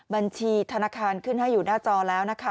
บัญชีธนาคารขึ้นให้อยู่หน้าจอแล้วนะคะ